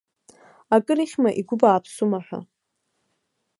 Акыр ихьма, игәы бааԥсума ҳәа.